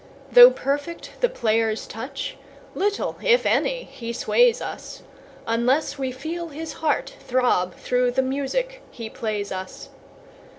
Though perfect the player's touch, little, if any, he sways us, Unless we feel his heart throb through the music he plays us.